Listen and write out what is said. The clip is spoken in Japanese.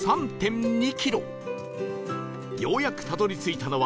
ようやくたどり着いたのは